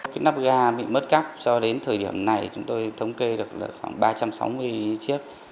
cái nắp ga bị mất cắp cho đến thời điểm này chúng tôi thống kê được khoảng ba trăm sáu mươi chiếc